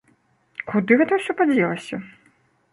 Куды гэта ўсё падзелася?!